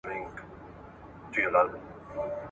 خره په خیال کی د شنېلیو نندارې کړې ..